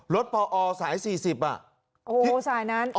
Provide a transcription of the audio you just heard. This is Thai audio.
รถผ่อซ้าย๔๐อ่ะ